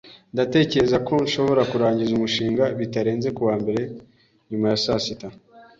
Ndatekereza ko nshobora kurangiza umushinga bitarenze kuwa mbere nyuma ya saa sita.